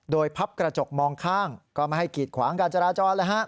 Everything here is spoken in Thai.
โดยพับกระจกมองข้างก็ไม่ให้กีดขวางการจราจร